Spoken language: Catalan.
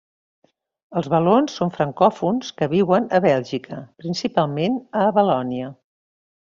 Els valons són francòfons que viuen a Bèlgica, principalment a Valònia.